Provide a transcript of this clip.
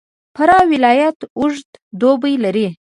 فراه ولایت اوږد دوبی لري.